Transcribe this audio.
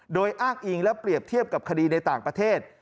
โดยอ้างอิงและเปรียบเทียบกับคดีในต่างประเทศ